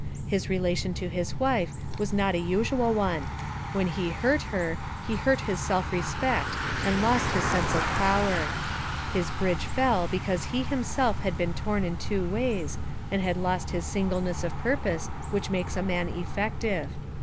His relation to his wife was not a usual one ; when he hurt her, he hurt his self respect and lost his sense of power. His bridge fell because he him self had been torn in two ways and had lost his single ness of purpose which makes a man effective.